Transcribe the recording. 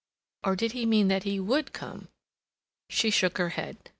Or did he mean that he would come?" She shook her head.